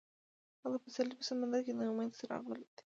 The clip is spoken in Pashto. هغه د پسرلی په سمندر کې د امید څراغ ولید.